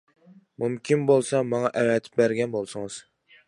مۇمكىن بولسا ماڭا ئەۋەتىپ بەرگەن بولسىڭىز.